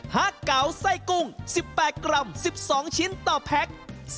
เก๋าไส้กุ้ง๑๘กรัม๑๒ชิ้นต่อแพ็ค